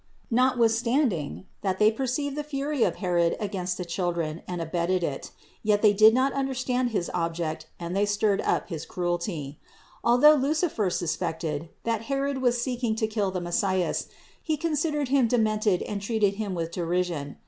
Notwithstanding, that they perceived the fury of Herod against the children and abetted it; yet they did not understand his object and they stirred 422 CITY OF GOD up his cruelty. Although Lucifer suspected, that Herod was seeking to kill the Messias, he considered him de mented and treated him with derision.